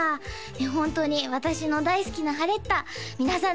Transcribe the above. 本当に私の大好きなハレッタ皆さん